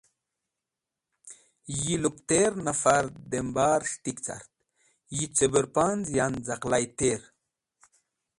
Yi lupter nafar dem bar s̃hitik cart, yi cũbũrpanz̃ yan z̃aqlayter.